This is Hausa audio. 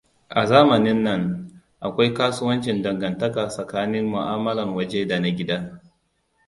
A zamanin nan akwai kusancin dangantaka tsakanin mu'amalan waje da na gida.